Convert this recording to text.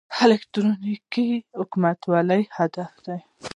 الکترونیکي حکومتولي هدف دی